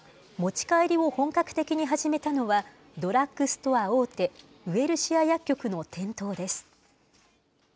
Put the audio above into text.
持ち帰りを本格的に始めたのは、ドラッグストア大手、ウエルシア薬局の店頭です。